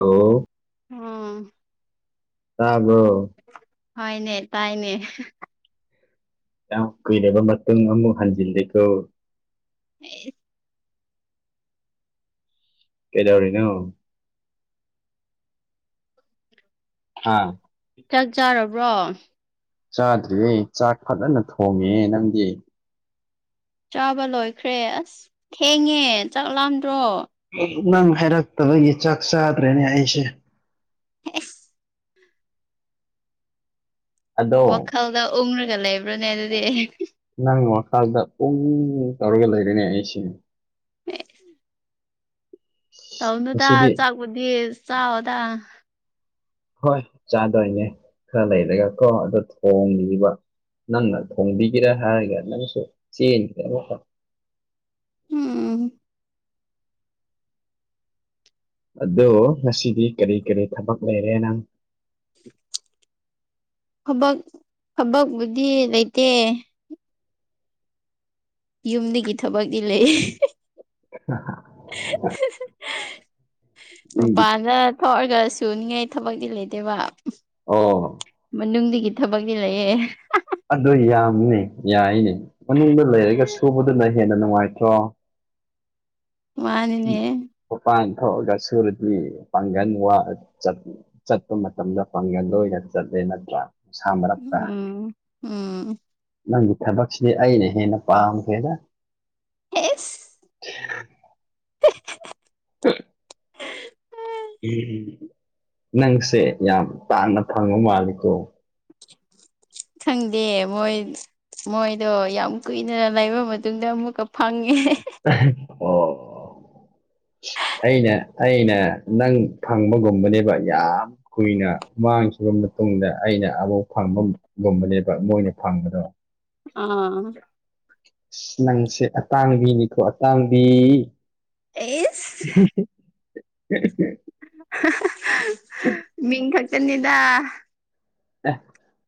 ꯑ ꯑꯥ ꯇꯥꯕꯣ ꯍꯅꯦ ꯇꯥꯏꯅꯦ ꯌꯥꯝ ꯀꯨꯏꯔꯕ ꯃꯇꯨꯡ ꯑꯃꯨꯛ ꯍꯟꯖꯤꯜꯂꯤꯀꯣ ꯑ ꯀꯦꯗꯧꯔꯤꯅꯣ ꯍꯥ [unintelligible] ꯆꯥꯛ ꯆꯥꯔꯕ꯭ꯔꯣ ꯆꯥꯗ꯭ꯔꯤꯌꯦ ꯆꯥꯛ ꯐꯖꯅ ꯊꯣꯡꯉꯦ ꯅꯪꯗꯤ ꯆꯥꯕ ꯂꯣꯏꯈ꯭ꯔꯦ ꯑꯁ ꯊꯦꯡꯉꯦ ꯆꯥꯛ ꯂꯥꯝꯗ꯭ꯔꯣ ꯅꯪ ꯍꯥꯏꯔꯛꯇꯥꯕꯒꯤ ꯆꯥꯛ ꯆꯥꯗ꯭ꯔꯦꯅꯦ ꯑꯩꯁꯦ ꯑꯦꯁ ꯑꯗꯣ ꯋꯥꯈꯜꯗ ꯎꯡꯔꯒ ꯂꯩꯕ꯭ꯔꯥꯅꯦ ꯑꯗꯨꯗꯤ ꯅꯪꯒꯤ ꯃꯈꯥꯗ ꯑꯝ ꯇꯧꯔꯒ ꯂꯩꯔꯅꯦ ꯑꯩꯁꯤꯅꯦ [inaudible] ꯇꯧꯅꯨꯗ ꯉꯁꯤꯗꯤ ꯆꯥꯛꯄꯨꯗꯤ ꯆꯥꯑꯣꯗ ꯍꯣꯏ ꯆꯥꯗꯣꯏꯅꯦ ꯈꯔ ꯂꯩꯔꯒ ꯀꯣ ꯑꯗꯨꯝ ꯊꯣꯡꯅꯦꯕ ꯅꯪꯅ ꯊꯣꯡꯕꯤꯒꯦ ꯍꯥꯏꯔꯒ ꯅꯪꯁꯨ ꯆꯦꯟꯒ꯭ꯔꯦ ꯎꯝ ꯑꯗꯣ ꯉꯁꯤꯗꯤ ꯀꯔꯤ ꯀꯔꯤ ꯊꯕꯛ ꯂꯩꯔꯦ ꯅꯪ ꯕꯛ ꯊꯕꯛꯕꯨꯗꯤ ꯂꯩꯇꯦ ꯌꯨꯝꯗꯒꯤ ꯊꯕꯛꯇꯤ ꯂꯩ ꯍ ꯍ ꯅꯪꯒꯤ ꯃꯄꯥꯟꯗ ꯊꯣꯛꯔꯒ ꯁꯨꯅꯤꯡꯉꯥꯏ ꯊꯕꯛꯇꯗꯤꯤ ꯂꯩꯇꯦꯕ ꯑꯣ ꯃꯅꯨꯡꯗꯒꯤ ꯊꯕꯛꯗꯤ ꯂꯩꯌꯦ ꯍꯥ ꯑꯗꯨ ꯌꯥꯝꯕꯅꯦ ꯌꯥꯏꯅꯦ ꯃꯅꯨꯡꯗ ꯂꯩꯔꯒ ꯁꯨꯕꯥꯗ ꯃꯥꯅꯤꯅꯦ ꯃꯄꯥꯟ ꯊꯣꯛꯑꯒ ꯁꯨꯔꯗꯤ ꯄꯥꯡꯒꯜ ꯋꯥ ꯆꯠꯂꯤ ꯆꯠꯄ ꯃꯇꯝꯗ ꯄꯥꯡꯒꯜ ꯂꯣꯏꯅ ꯆꯠꯂꯦ ꯅꯠꯇ꯭ꯔꯥ ꯅꯨꯡꯁꯥ ꯃꯔꯛꯇ ꯎꯝ ꯎꯝ ꯅꯪꯒꯤ ꯊꯥꯕꯛꯁꯤ ꯑꯩꯅ ꯍꯦꯟꯅ ꯄꯥꯝꯈ꯭ꯔꯦꯗ ꯑꯦꯁ [unintelligible] [unintelligible] ꯑꯝ ꯅꯪꯁꯦ ꯌꯥꯝ ꯄꯥꯅ ꯐꯪꯕ ꯃꯥꯜꯂꯤꯀꯣ ꯈꯪꯗꯦ ꯃꯣꯏ ꯃꯣꯏꯗꯣ ꯌꯥꯝ ꯀꯨꯏꯅ ꯂꯩꯕ ꯃꯇꯨꯡꯗ ꯑꯃꯨꯛꯀ ꯐꯪꯉꯦ ꯑꯣ ꯑꯩꯅ ꯑꯩꯅ ꯅꯪ ꯐꯪꯕꯒꯨꯝꯕꯅꯦꯕꯥ ꯌꯥꯝ ꯀꯨꯏꯅ ꯃꯥꯡꯈ꯭ꯔꯕ ꯃꯇꯨꯡꯗ ꯑꯩꯅ ꯑꯃꯨꯛ ꯐꯪꯕꯒꯨꯝꯕꯅꯦꯕꯥ ꯃꯣꯏꯅ ꯐꯪꯕꯗꯣ ꯑꯥ ꯅꯪꯁꯦ ꯑꯇꯥꯡꯕꯤꯅꯤꯀꯣ ꯑꯇꯥꯡꯕꯤ ꯏ‌ꯦꯁ [unintelligible] ꯃꯤꯡ ꯈꯛꯇꯥꯅꯤꯗ ꯑꯦ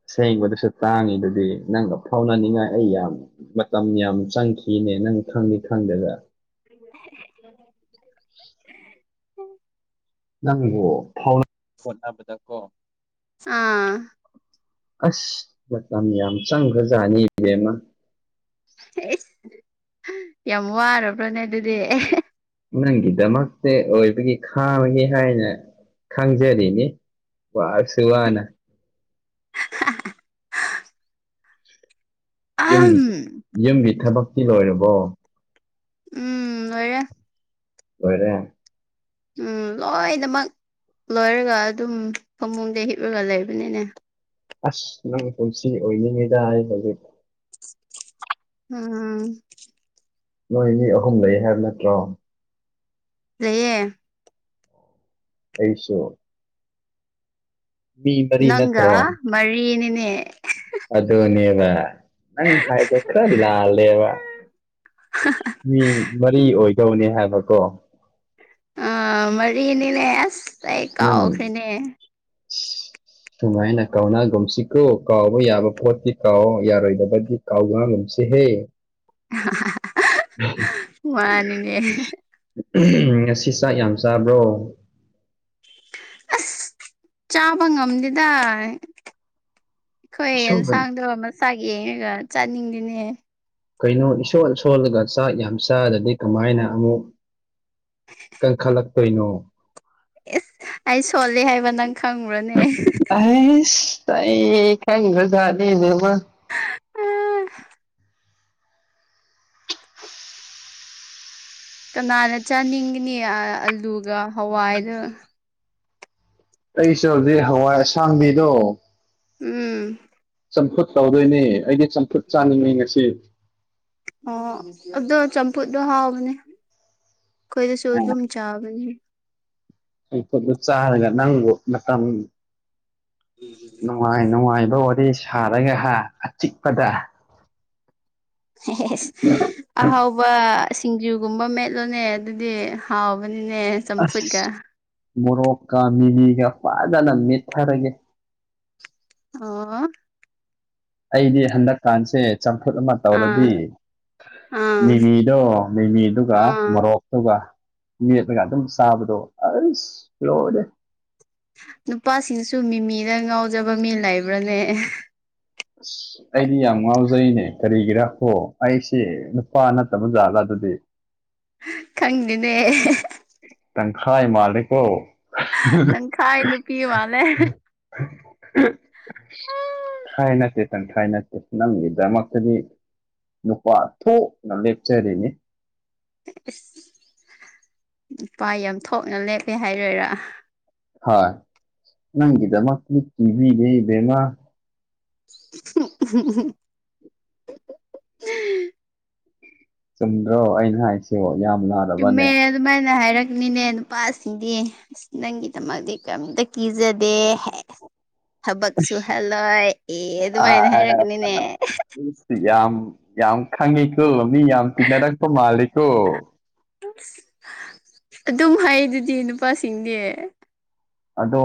ꯑꯁꯦꯡꯕꯥꯗꯁꯨ ꯇꯥꯡꯉꯤꯗꯨꯗꯤ ꯅꯪꯒ ꯐꯥꯎꯅꯅꯤꯡꯉꯥꯏ ꯑꯩ ꯌꯥꯝ ꯃꯇꯝ ꯌꯥꯝ ꯆꯪꯈꯤꯅꯦ ꯅꯪ ꯈꯡ ꯈꯡꯗꯔꯒ [unintelligible] [inaudible] ꯅꯪꯕꯨ ꯐꯥꯎꯔꯞ [unintelligible] ꯍꯣꯠꯅꯕꯥꯗ ꯀꯣ ꯑꯥ ꯑꯁ ꯃꯇꯝ ꯌꯥꯝ ꯆꯪꯈ꯭ꯔꯖꯥꯠꯅꯤ ꯏꯕꯦꯝꯃ ꯏꯁ ꯌꯥꯝ ꯋꯥꯔꯕ꯭ꯔꯥꯅꯦ ꯑꯗꯨꯗꯤ ꯅꯪꯒꯤꯗꯃꯛꯇꯥ ꯑꯣꯏꯕꯒꯤ ꯈꯥꯡꯉꯒꯦ ꯍꯥꯏꯅ ꯈꯥꯡꯖꯔꯤꯅꯤ ꯋꯥꯔꯁꯨ ꯋꯥꯅ ꯍꯥ ꯍꯥ [unintelligible] ꯃꯥꯟꯅꯤꯅ‌ꯦ ꯌꯨꯝ ꯌꯨꯝꯒꯤ ꯊꯥꯕꯛꯇꯤ ꯂꯣꯏꯔꯕꯣ ꯑꯝ ꯂꯣꯏꯔꯦ ꯂꯣꯏꯔꯦ ꯎꯝ ꯂꯣꯏꯅꯥꯃꯛ ꯂꯣꯏꯔꯒ ꯑꯗꯨꯝ ꯐꯥꯃꯨꯡꯗ ꯍꯤꯞꯂꯒ ꯂꯩꯕꯅꯤꯅꯦ ꯑꯁ ꯅꯪ ꯄꯨꯟꯁꯤ ꯑꯣꯏꯅꯤꯡꯉꯤꯗꯥ ꯑꯩ ꯍꯧꯖꯤꯛ ꯎꯝ ꯅꯣꯏ ꯃꯤ ꯑꯍꯨꯝ ꯂꯩ ꯍꯥꯏꯕ ꯅꯠꯇ꯭ꯔꯣ ꯂꯩꯌꯦ ꯑꯩꯁꯨꯣ ꯃꯔꯤ ꯅꯪ ꯅꯠꯇ꯭ꯔꯣ ꯃꯔꯤ ꯅꯅꯦ ꯑꯗꯨꯅꯦꯕ ꯅꯪ ꯍꯥꯏꯗ ꯈ꯭ꯔ ꯂꯥꯂꯦꯕ ꯃꯤ ꯃꯔꯤ ꯑꯣꯏꯗꯧꯅꯦ ꯍꯥꯏꯕꯀꯣ ꯃꯔꯤꯅꯤꯅꯦ ꯑꯁ ꯑꯩ ꯀꯥꯎꯈ꯭ꯔꯤꯅꯦ ꯎ ꯁꯨꯃꯥꯏꯅ ꯀꯥꯎꯅꯒꯨꯝꯁꯤꯀꯣ ꯀꯥꯎꯕ ꯌꯥꯕ ꯄꯣꯠꯇꯤ ꯀꯥꯎ ꯌꯥꯔꯣꯏꯗꯕꯒꯤ ꯀꯥꯎꯅꯒꯨꯝꯁꯤ ꯍꯦ ꯍꯥ ꯍꯥ [unintelligible] ꯃꯥꯟꯅꯤꯅ‌ ꯉꯁꯤ ꯆꯥꯛ ꯌꯥꯝ ꯆꯥꯕ꯭ꯔꯣ ꯑꯁ ꯆꯥꯕ ꯉꯝꯗꯦꯗꯥ ꯑꯈꫭꯏ ꯏꯁꯧꯒ ꯏꯟꯁꯥꯡꯗꯣ ꯃꯥꯁꯛ ꯌꯦꯡꯉꯒ ꯆꯥꯅꯤꯡꯗ‌ꯦꯅꯦꯍ‌ꯦ ꯀꯩꯅꯣ ꯏꯁꯣꯟ ꯁꯣꯜꯂꯒ ꯆꯥꯛ ꯌꯥꯝ ꯆꯥꯗꯔꯗꯤ ꯀꯃꯥꯏꯟꯅ ꯑꯃꯨꯛ ꯀꯟꯈꯠꯂꯛꯇꯣꯏꯅꯣ ꯑꯦꯁ ꯑꯩ ꯁꯣꯂꯦ ꯍꯥꯏꯕ ꯅꯪ ꯈꯪꯕꯔꯅꯦ ꯑꯁ ꯑꯩ ꯈꯪꯗꯔꯖꯥꯠ ꯅꯦꯅꯕ ꯀꯅꯥꯅ ꯆꯥꯅꯤꯡꯅꯤ ꯑꯂꯨꯒ ꯍꯋꯥꯏꯗꯣ ꯑꯩ ꯆꯧꯗꯤ ꯍꯋꯥꯏ ꯑꯁꯥꯡꯕꯤꯗꯣ ꯎꯝ ꯆꯝꯐꯨꯠ ꯀꯧꯗꯣꯏꯅꯦ ꯑꯩꯒꯤ ꯎ ꯑꯣ ꯑꯗꯣ ꯆꯝꯐꯨꯠꯗꯣ ꯍꯥꯎꯕꯅꯦ ꯑꯩꯈꯣꯏꯗꯁꯨ ꯑꯗꯨꯝ ꯆꯕ ꯑꯩ ꯄꯣꯠꯇꯣ ꯆꯥꯔꯒ ꯅꯪꯕꯨ ꯃꯇꯝ ꯅꯨꯡꯉꯥꯏ ꯅꯨꯡꯉꯥꯏꯕ ꯋꯥꯔꯤ ꯁꯥꯔꯒ ꯍꯥ ꯑꯆꯤꯛꯄꯗ [inaudible] ꯑꯍꯥꯎꯕ ꯁꯤꯡꯖꯨꯒꯨꯝꯕ ꯃꯦꯠꯂꯣꯅꯦ ꯑꯗꯨꯗꯤ ꯍꯥꯎꯕꯅꯤꯅꯦ ꯆꯝꯐꯨꯠꯀ ꯑꯁ ꯃꯣꯔꯣꯛꯀ ꯃꯤꯅꯤꯒ ꯐꯗꯅ ꯃꯦꯠꯊꯔꯒꯦ ꯑꯣ ꯑꯩꯗꯤ ꯍꯟꯗꯛꯀꯥꯟꯁꯦ ꯆꯝꯐꯨꯠ ꯑꯃ ꯇꯧꯔꯗꯤ ꯑꯥ ꯑꯥ ꯃꯤꯃꯤꯗꯣ ꯃꯤꯃꯤ ꯑꯗꯨꯒ ꯑꯥ ꯃꯣꯔꯣꯛ ꯑꯗꯨꯒ ꯃꯦꯠꯂꯒ ꯑꯗꯨꯝ ꯆꯥꯕꯗꯣ ꯑꯁ ꯂꯣꯏꯔꯦ ꯅꯨꯄꯥꯁꯤꯡꯁꯨ ꯃꯤꯃꯤꯗ ꯉꯥꯎꯖꯕ ꯃꯤ ꯂꯩꯕ꯭ꯔꯥꯅꯦ ꯑꯁ ꯑꯩꯗꯤ ꯌꯥꯝ ꯉꯥꯎꯖꯩꯅꯦ ꯀꯔꯤꯒꯤꯔꯥ ꯀꯣ ꯑꯩꯁꯦ ꯅꯨꯄꯥ ꯅꯠꯇꯕ ꯖꯥꯠꯂ ꯑꯗꯨꯗꯤ ꯈꯪꯗꯦꯅꯦ ꯇꯟꯈꯥꯏ ꯃꯥꯂꯦꯀꯣ ꯇꯪꯈꯥꯏ ꯅꯨꯄꯤ ꯃꯥꯜꯂꯦ [inaudible] ꯈꯥꯏꯅ ꯇꯦ ꯇꯥꯟ ꯈꯥꯏꯅꯠꯇꯦ ꯅꯪꯒꯤꯗꯃꯛ ꯇꯗꯤ ꯅꯨꯄꯥ ꯊꯣꯛꯅ ꯂꯦꯞꯆꯔꯤꯅꯤ ꯏꯁ ꯅꯨꯄꯥ ꯌꯥꯝ ꯊꯣꯛꯅ ꯂꯦꯞꯄꯦ ꯍꯥꯏꯔꯣꯏꯔꯥ ꯍꯣꯏ ꯅꯪꯒꯤꯗ ꯃꯀꯂꯤ ꯀꯤꯕꯤ ꯂꯩ ꯏꯕꯦꯃ ꯎ ꯆꯨꯝꯗ꯭ꯔꯣ ꯑꯩꯅ ꯍꯥꯏꯁꯤꯕꯣ ꯌꯥꯝ ꯂ ꯆꯨꯝꯃꯦ ꯑꯗꯨꯃꯥꯏꯅ ꯍꯥꯏꯔꯛꯅꯤꯅꯦ ꯅꯨꯄꯥꯁꯤꯡꯗꯤ ꯅꯪꯒꯤꯗꯃꯛꯇꯗꯤ ꯀꯝꯗ ꯀꯤꯖꯗꯦ ꯊꯕꯛ ꯁꯨꯍꯜꯂꯣꯏ ꯑꯦ ꯑꯗꯨꯃꯥꯏꯅ ꯍꯥꯏꯔꯛꯒꯅꯤꯅꯦ ꯑꯗꯨ ꯌꯥꯝ ꯌꯥꯝ ꯈꯪꯉꯤꯀꯣ ꯃꯤ ꯌꯥꯝ ꯇꯤꯟꯅꯔꯛꯄ ꯃꯥꯜꯂꯦꯀꯣ ꯑꯁ ꯑꯗꯨꯝ ꯍꯥꯏ ꯑꯗꯨꯗꯤ ꯅꯨꯄꯥꯁꯤꯡꯗꯤ ꯑꯗꯣ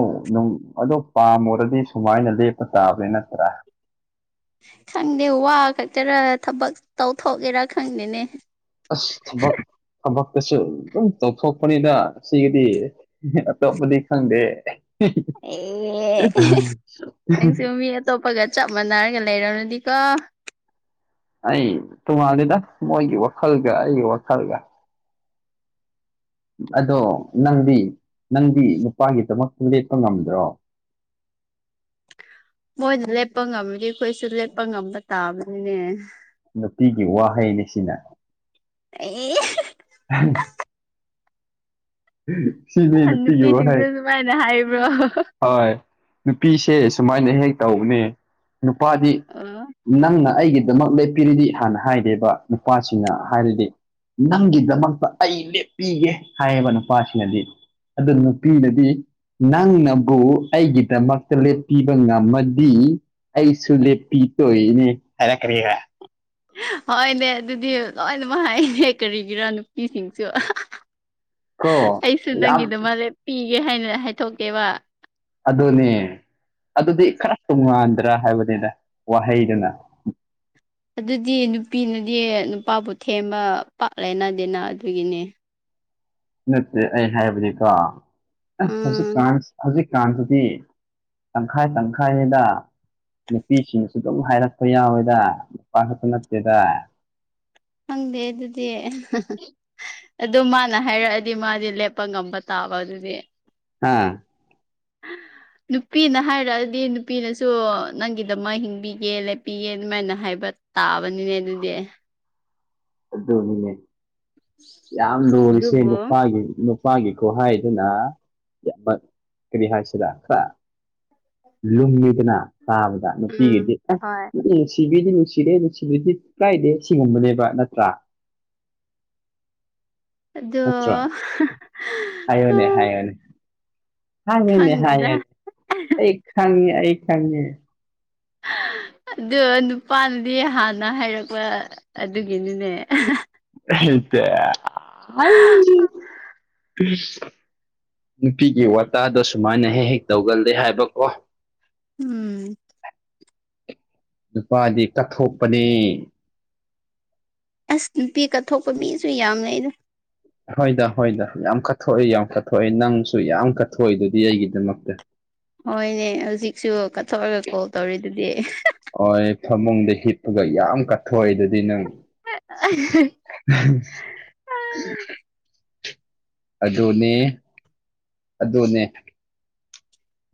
ꯑꯗꯣ ꯄꯥꯝꯃꯨꯔꯗꯤ ꯁꯨꯃꯥꯏꯅ ꯂꯦꯞꯄ ꯇꯥꯕ꯭ꯅꯦ ꯅꯠꯇꯔ ꯈꯪꯗꯦ ꯋꯥ ꯈꯛꯇꯔ ꯊꯕꯛ ꯇꯧꯊꯣꯛꯀꯦꯔꯥ ꯈꯪꯗꯦꯅꯦ ꯑꯁ ꯊꯕꯛ ꯊꯕꯛꯇꯁꯨ ꯑꯗꯨꯝ ꯇꯧꯊꯣꯛꯄꯅꯤꯅ ꯁꯤꯒꯤꯗꯤ ꯑꯇꯣꯞꯄꯗꯤ ꯈꯪꯗꯦ ꯑꯦ ꯅꯪꯁꯨ [unintelligible] ꯃꯤ ꯑꯇꯣꯞꯄꯒ ꯆꯞ ꯃꯥꯟꯅꯔꯒ ꯂꯩꯔꯝꯂꯗꯤꯀꯣ ꯑꯩ ꯇꯣꯉꯥꯟꯜꯂꯤꯗ ꯃꯣꯏꯒꯤ ꯋꯥꯈꯜꯒ ꯑꯩꯒꯤ ꯋꯥꯈꯜꯒ ꯑꯗꯣ ꯅꯪꯗꯤ ꯅꯪꯗꯤ ꯅꯨꯄꯥꯒꯤꯗꯃꯛꯇ ꯂꯦꯞꯄ ꯉꯝꯗ꯭ꯔꯣ ꯃꯣꯏꯅ ꯂꯦꯞꯄ ꯉꯝꯃꯤꯗꯤ ꯑꯩꯈꯣꯏꯁꯨ ꯂꯦꯞꯄ ꯉꯝꯕ ꯇꯥꯕꯅꯤꯅꯦ ꯅꯨꯄꯤꯒꯤ ꯋꯥꯍꯩꯅꯤ ꯁꯤꯅ ꯑꯩ ꯎ ꯎꯝ ꯅꯨꯄꯤꯁꯤꯡꯁ ꯁꯨꯃꯥꯏꯅ ꯍꯥꯏꯕ꯭ꯔꯣ ꯍꯣꯏ ꯅꯨꯄꯤꯁꯦ ꯁꯨꯃꯥꯏꯅ ꯍꯦꯛ ꯇꯧꯕꯅꯦ ꯅꯨꯄꯥꯗꯤ ꯑꯣ ꯅꯪꯅ ꯑꯩꯒꯤꯗꯃꯛ ꯂꯦꯞꯄꯤꯔꯤꯗꯤ ꯍꯥꯟꯅ ꯍꯥꯏꯗꯦꯕ ꯅꯨꯄꯥꯁꯤꯅ ꯍꯥꯏꯔꯤꯗꯤ ꯅꯪꯒꯤꯗꯃꯛꯇ ꯑꯩ ꯂꯦꯞꯄꯤꯒꯦ ꯍꯥꯏꯌꯦꯕ ꯅꯨꯄꯥꯁꯤꯅꯗꯤ ꯑꯗꯨ ꯅꯨꯄꯤꯅꯗꯤ ꯅꯪꯅꯕꯨ ꯑꯩꯒꯤꯗꯃꯛꯇ ꯂꯦꯞꯄꯤꯕ ꯉꯝꯃꯗꯤ ꯑꯩꯁꯨ ꯂꯦꯞꯄꯤꯒꯦ ꯍꯥꯏꯔꯛ ꯀꯅꯦꯕ ꯍꯣꯏꯅꯦ ꯑꯗꯨꯗꯤ ꯂꯣꯏ ꯅꯃꯛ ꯍꯥꯏꯅꯦ ꯀꯔꯤꯒꯤꯔ ꯅꯨꯄꯤꯁꯤꯡꯁꯨ ꯀꯣ ꯑꯩꯁꯨ ꯌꯥꯝ ꯅꯪꯒꯤꯗꯝꯛ ꯂꯦꯞꯄꯤꯒꯦ ꯍꯥꯏꯅ ꯍꯥꯏꯗꯣꯛꯀꯦꯕ ꯑꯗꯨꯅꯦ ꯑꯗꯨꯗꯤ ꯈꯔ ꯇꯣꯡꯉꯥꯟꯗ꯭ꯔꯥ ꯍꯥꯏꯕꯅꯤꯗ ꯋꯥꯍꯩꯗꯨꯅ ꯑꯗꯨꯗꯤ ꯅꯨꯄꯤꯅꯗꯤ ꯅꯨꯄꯥꯕꯨ ꯊꯦꯝꯕ ꯄꯥꯛꯂꯦꯅꯗꯦꯅ ꯑꯗꯨꯒꯤꯅꯦ ꯅꯠꯇꯦ ꯑꯩ ꯍꯥꯏꯕꯗꯤꯀꯣ ꯎꯝ ꯍꯧꯖꯤꯛꯀꯥꯟ ꯍꯧꯖꯤꯛꯀꯥꯟꯗꯗꯤ ꯇꯪꯈꯥꯏ ꯇꯪꯈꯥꯏꯅꯤꯗ ꯅꯨꯄꯤꯁꯤꯡꯅꯁꯨ ꯑꯗꯨꯝ ꯍꯥꯏꯔꯛꯄ ꯌꯥꯎꯋꯦꯗ ꯅꯨꯄꯥ ꯈꯛꯇ ꯅꯠꯇꯦꯗ ꯈꯪꯗꯦ ꯑꯗꯨꯗꯤ ꯑꯗꯨ ꯃꯥꯅ ꯍꯥꯏꯔꯛꯑꯗꯤ ꯃꯥꯗꯤ ꯂꯦꯞꯄ ꯉꯝꯕ ꯇꯥꯕ ꯑꯗꯨꯗꯤ ꯍꯥꯥ [unintelligible] ꯅꯨꯄꯤꯅ ꯍꯥꯏꯔꯛ ꯑꯗꯤ ꯅꯨꯄꯤꯅꯁꯨ ꯅꯪꯒꯤꯗꯃꯛ ꯍꯤꯡꯕꯤꯒꯦ ꯂꯦꯞꯄꯤꯒꯦ ꯑꯗꯨꯃꯥꯏꯅ ꯍꯥꯏꯕ ꯇꯥꯕꯅꯤꯅꯦ ꯑꯗꯨꯗꯦ ꯑꯗꯨ ꯅꯤꯅꯦ ꯌꯥꯝ ꯂꯨꯔꯤꯁꯦ ꯑꯗꯨꯕꯨ ꯅꯨꯄꯥꯒꯤ ꯅꯨ ꯄꯥꯒꯤ ꯈꯨꯍꯥꯏꯗꯨꯅ ꯌꯥꯝꯅ ꯀꯔꯤ ꯍꯥꯏꯁꯤꯔ ꯈꯔ ꯂꯨꯝꯃꯤꯗꯅ ꯇꯥꯕꯗ ꯅꯨꯄꯤꯒꯤꯗꯤ ꯎꯝ ꯑꯁ ꯍꯣꯏ [unintelligible] ꯅꯨꯡꯁꯤꯕꯤꯗꯤ ꯅꯨꯡꯁꯤꯗꯦ ꯅꯨꯡꯁꯤꯕꯤꯗꯦ ꯀꯥꯏꯗꯦ ꯁꯤꯒꯨꯝꯕꯅꯦꯕ ꯅꯠ ꯆꯥ ꯑꯗꯣ ꯍꯥꯏꯌꯣꯅꯦ ꯍꯥꯏꯌꯣꯅꯦ ꯍꯥꯏꯌꯦꯅꯦ ꯈꯪꯗꯦꯗ ꯍꯥꯏꯌꯦ ꯑꯩ ꯈꯪꯉꯦ ꯑꯩ ꯈꯪꯉꯦ ꯑꯗꯨ ꯅꯨꯄꯥꯅꯗꯤ ꯍꯥꯟꯅ ꯍꯥꯏꯔꯛꯄ ꯑꯗꯨꯒꯤꯅꯤꯅꯦ [unintelligible] ꯅꯨꯄꯤꯒꯤ ꯋꯥꯇꯥꯗꯣ ꯁꯨꯃꯥꯏꯅ ꯍꯦꯛ ꯍꯦꯛ ꯇꯧꯒꯜꯂꯦ ꯍꯥꯏꯕꯀꯣ ꯎꯝ ꯅꯨꯄꯥꯗꯤ ꯀꯠꯊꯣꯛꯄꯅꯦ ꯑꯁ ꯅꯨꯄꯤ ꯀꯠꯊꯣꯛꯄ ꯃꯤꯁꯨ ꯌꯥꯝ ꯂꯩ ꯑꯦꯗ ꯍꯣꯏꯗ ꯍꯣꯏꯗ ꯌꯥꯝ ꯀꯠꯊꯣꯛꯏ ꯌꯥꯝ ꯀꯠꯊꯣꯛꯏ ꯅꯪꯁꯨ ꯌꯥꯝ ꯀꯠꯊꯣꯛꯏ ꯗꯨꯗꯤ ꯑꯩꯒꯤ ꯗꯃꯛꯇ ꯍꯣꯏꯅꯦ ꯍꯧꯖꯤꯛꯁꯨ ꯀꯠꯊꯣꯛꯑꯒ ꯀꯣꯜ ꯇꯧꯔꯤꯗꯨꯗꯤ ꯍꯣꯏ ꯐꯃꯨꯡꯗ ꯍꯤꯞꯄꯒ ꯌꯥꯝ ꯀꯠꯊꯣꯛꯏꯗꯨꯗꯤ ꯅꯪ [unintelligible] [unintelligible] ꯑꯗꯨꯅꯦ ꯑꯗꯨꯅꯦ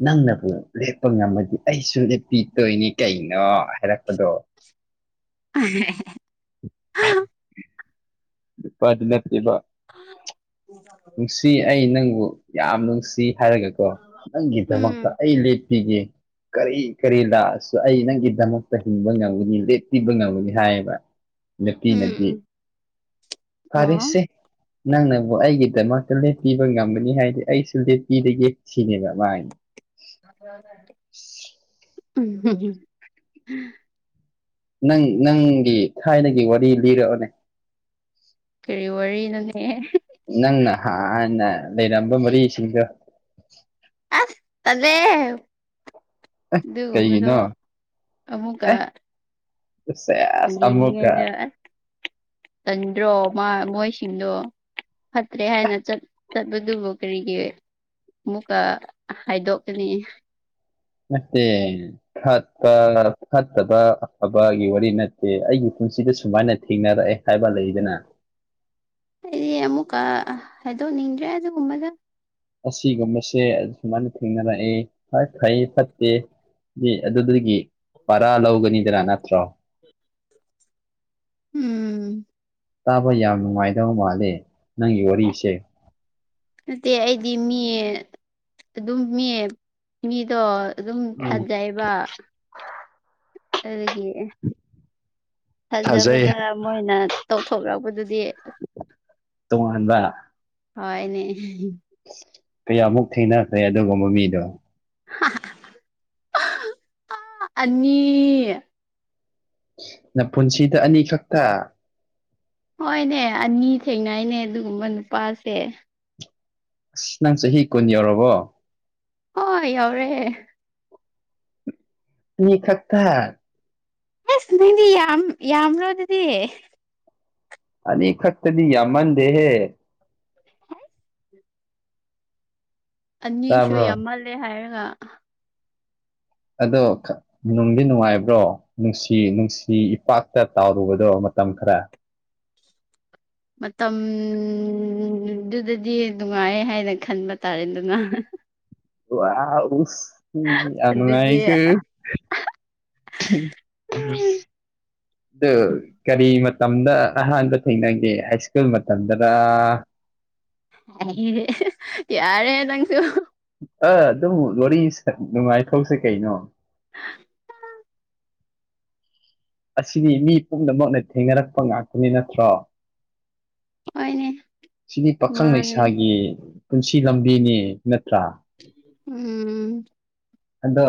ꯅꯪꯅꯕꯨ ꯂꯦꯞꯄ ꯉꯝꯃꯗꯤ ꯑꯩꯁꯨ ꯂꯦꯞꯄꯤ ꯇꯣꯏꯅꯤ ꯀꯩꯅꯣ ꯍꯥꯏꯔꯛꯄꯗꯣ [unintelligible] ꯅꯨꯄꯥꯗꯨ ꯅꯠꯇꯦꯕ [inaudible] ꯁꯤ ꯑꯩ ꯅꯪꯕꯨ ꯌꯥꯝ ꯅꯨꯡꯁꯤ ꯍꯥꯏꯔꯒꯀꯣ ꯅꯪꯒꯤꯗꯃꯛꯇ ꯎꯝ ꯑꯩ ꯂꯦꯞꯄꯤꯒꯦ ꯀꯔꯤ ꯀꯔꯤ ꯂꯥꯛꯑꯁꯨ ꯑꯩ ꯅꯪꯒꯤꯗꯃꯛꯇ ꯍꯤꯡꯕ ꯉꯝꯒꯅꯤ ꯂꯦꯞꯄꯤꯕ ꯉꯝꯒꯅꯤ ꯍꯥꯏꯌꯦꯕ ꯎꯝ ꯎꯝ ꯅꯨꯄꯤꯅꯗꯤ ꯑꯣ ꯐꯔꯦꯁꯦ ꯅꯪꯅꯕꯨ ꯑꯩꯒꯤ ꯗꯃꯛꯇ ꯂꯦꯠꯄꯤꯕ ꯉꯝꯒꯅꯤ ꯍꯥꯏꯗꯤ ꯑꯩꯁꯨ ꯂꯦꯠꯄꯤꯔꯒꯦ ꯁꯤꯅꯦꯕ ꯃꯥꯥꯏꯅ [inaudible] ꯅꯪ ꯅꯪꯒꯤ ꯊꯥꯏꯅꯒꯤ ꯋꯥꯔꯤ ꯂꯤꯔꯛꯑꯣꯅꯦ ꯀꯔꯤ ꯋꯥꯔꯤꯅꯣꯅꯦ ꯅꯪꯅ ꯍ ꯍꯥꯟꯅ ꯂꯩꯔꯝꯕ ꯃꯔꯤꯁꯤꯡꯗꯣ ꯑꯁ ꯇꯜꯂꯦ ꯑꯗꯨꯒꯨꯝꯕꯗꯣ ꯀꯩꯒꯤꯅꯣ ꯑꯃꯨꯛꯀ ꯑꯦ ꯁꯦꯁ ꯑꯃꯨꯛꯀ ꯌꯦꯡꯂꯤꯉꯩꯗ ꯑꯁ ꯇꯟꯗ꯭ꯔꯣ ꯃꯥ ꯃꯣꯏꯁꯤꯡꯗꯣ ꯐꯠꯇ꯭ꯔꯦ ꯍꯥꯏꯅ ꯆꯠ ꯆꯠꯕꯗꯨꯕꯨ ꯀꯔꯤꯒꯤ ꯃꯨꯛꯀ ꯍꯥꯏꯗꯣꯛꯀꯅꯤ ꯃꯇꯦ ꯐꯠꯄ ꯐꯠꯇꯕ ꯑꯐꯕꯒꯤ ꯋꯥꯔꯤ ꯅꯠꯇꯦ ꯑꯩꯒꯤ ꯄꯨꯟꯁꯤꯗ ꯁꯨꯃꯥꯏꯅ ꯊꯦꯡꯅꯔꯛꯑꯦ ꯍꯥꯏꯕ ꯂꯩꯗꯅꯥ ꯑꯩꯗꯤ ꯑꯃꯨꯛꯀ ꯍꯥꯏꯗꯣꯛꯅꯤꯡꯗ꯭ꯔꯦ ꯑꯗꯨꯒꯨꯝꯕꯗꯣ ꯑꯁꯤꯒꯨꯝꯕꯁꯦ ꯑꯁꯨꯃꯥꯏꯅ ꯊꯦꯡꯅꯔꯛꯑꯦ ꯍꯣꯢ ꯐꯩ ꯐꯠꯇꯦ ꯅꯦ ꯑꯗꯨꯗꯒꯤ ꯄꯥꯔꯥ ꯂꯧꯒꯅꯤꯗꯅ ꯅꯠꯇ꯭ꯔꯣ ꯎꯝ ꯇꯥꯕ ꯌꯥꯝ ꯅꯨꯡꯉꯥꯏꯗꯧ ꯃꯥꯜꯂꯦ ꯅꯪꯒꯤ ꯋꯥꯔꯤꯁꯦ ꯅꯠꯇꯦ ꯑꯩꯗꯤ ꯃꯤ ꯑꯗꯨꯝ ꯃꯤ ꯃꯤꯗꯣ ꯑꯗꯨꯝ ꯎꯝ ꯊꯥꯖꯩꯕ ꯑꯔꯒꯤ ꯐꯖꯕꯗ ꯊꯥꯖꯩ ꯃꯣꯏꯅ ꯇꯧꯊꯣꯛꯔꯛꯕꯗꯨꯗꯤ ꯇꯨꯡꯍꯟꯕ ꯍꯣꯏꯅꯦ ꯀꯌꯥꯃꯨꯛ ꯊꯦꯡꯅꯈ꯭ꯔꯦ ꯑꯗꯨꯒꯨꯝꯕ ꯃꯤꯗꯣ ꯍꯥꯍꯥꯍ ꯑ ꯑꯅꯤ ꯅꯄꯨꯟꯁꯤꯗ ꯑꯅꯤ ꯈꯛꯇꯥ ꯍꯣꯏꯅꯦ ꯑꯅꯤ ꯊꯦꯡꯅꯩꯅꯦ ꯑꯗꯨꯒꯨꯝꯕ ꯅꯨꯄꯥꯁꯦ ꯁꯤ ꯅꯪ ꯆꯍꯤ ꯀꯨꯟ ꯌꯧꯔꯕꯣ ꯍꯣꯏ ꯌꯧꯔꯦ ꯑꯅꯤ ꯈꯛꯇꯥ ꯑꯁ ꯅꯪꯗꯤ ꯌꯥꯝ ꯌꯥꯝꯔꯣ ꯑꯗꯨꯗꯤ ꯑꯅꯤ ꯈꯛꯇꯗꯤ ꯌꯥꯝꯃꯟꯗꯦꯍꯦ ꯑꯅꯤꯁꯨ ꯇꯥꯕ꯭ꯔꯣ ꯌꯥꯝꯃꯜꯂꯦ ꯍꯥꯏꯔꯒ ꯑꯗꯣ ꯈ ꯅꯨꯡꯗꯤ ꯅꯨꯡꯉꯥꯏꯕ꯭ꯔꯣ ꯅꯨꯡꯁꯤ ꯅꯨꯡꯁꯤ ꯏꯄꯥꯛꯇ ꯇꯥꯎꯔꯨꯕꯗꯣ ꯃꯇꯝ ꯈꯔ ꯃꯇꯝꯗꯨꯗꯗꯤ ꯅꯨꯡꯉꯥꯏ ꯍꯥꯏꯅ ꯈꯟꯕ ꯇꯥꯔꯦꯗꯅꯥ ꯎ ꯑꯥ ꯎꯁ ꯃꯤꯗꯤ ꯌꯥꯝ ꯑꯗꯨꯗꯤ ꯅꯨꯡꯉꯥꯏꯀꯣ ꯊꯤꯞ ꯊꯞ ꯑꯑ [unintelligible] ꯀꯔꯤ ꯃꯇꯝꯗ ꯑꯍꯥꯟꯕ ꯊꯦꯡꯅꯒꯦ ꯍꯥꯏꯁ꯭ꯀꯨꯜ ꯃꯇꯝꯗꯔꯥ ꯌꯥꯔꯦ ꯅꯪꯁꯨ ꯑ ꯑꯗꯨꯝ ꯋꯥꯔꯤ ꯅꯨꯡꯉꯥꯏꯊꯣꯛꯁꯤ ꯀꯩꯅꯣ ꯑꯁꯤꯗꯤ ꯃꯤ ꯄꯨꯝꯅꯃꯛꯅ ꯊꯦꯡꯅꯔꯛꯄ ꯉꯥꯛꯇꯅꯤ ꯅꯠꯇ꯭ꯔꯣ ꯍꯣꯏꯅꯦ ꯁꯤꯗꯤ ꯄꯥꯈꯪ ꯃꯥꯅꯦ ꯂꯩꯁꯥꯒꯤ ꯄꯨꯟꯁꯤ ꯂꯝꯕꯤꯅꯤ ꯅꯠꯇ꯭ꯔꯥ ꯎꯝ ꯑꯗꯣ